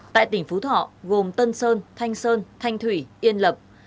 tại tỉnh phú thọ gồm tân sơn thanh sơn thanh thủy yên lập